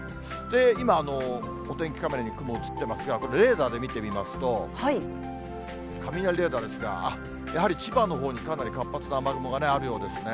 今、お天気カメラに雲映ってますが、これ、レーダーで見てみますと、雷レーダーですが、あっ、やはり千葉のほうにかなり活発な雨雲があるようですね。